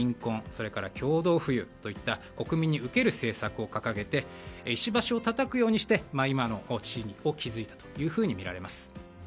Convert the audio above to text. それから共同富裕といった国民に受ける政策を掲げて石橋をたたくようにして今の地位を築いたというふうにみられます。